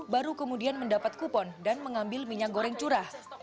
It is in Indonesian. baru kemudian mendapat kupon dan mengambil minyak goreng curah